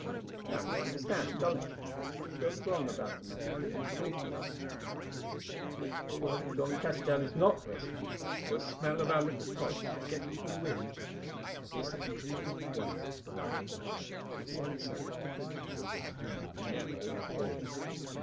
Now you understand, don't you, if anything goes wrong about the matter we have been talking of—that is, if the worthy John Castell is not rescued, or a smell of our little plot should get into the wind—this letter goes at once to the right quarter, and a certain secretary will wish that he had never been born.